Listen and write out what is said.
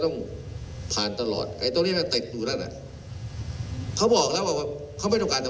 นั้นไม่รู้กี่ไฟเกิดไปด้วยกูไปได้ไปกันที